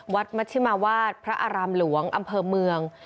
มัชิมาวาดพระอารามหลวงอำเภอเมือง